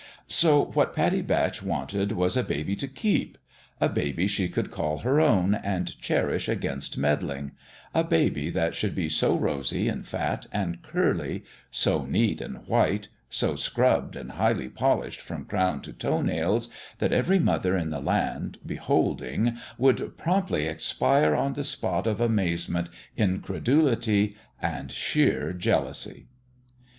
So what Pattie Batch wanted was a baby to keep a baby she could call her own and cherish against meddling a baby that should be so rosy and fat and curly, so neat and white, so scrubbed and highly polished from crown to toe nails, that every mother in the land, beholding, would promptly expire on the spot of amazement, in credulity and sheer jealousy.